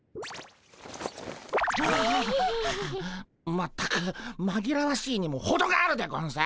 全くまぎらわしいにもほどがあるでゴンス。